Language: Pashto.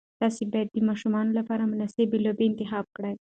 تاسي باید د ماشومانو لپاره مناسب لوبې انتخاب کړئ.